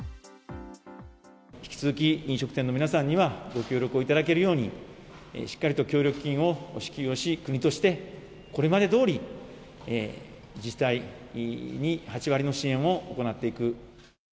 引き続き、飲食店の皆さんにはご協力をいただけるように、しっかりと協力金を支給をし、国としてこれまでどおり、自治体に８割の支援を行っていく。